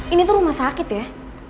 ini tuh rumah sakit ya